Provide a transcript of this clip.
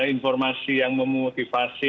informasi yang memotivasi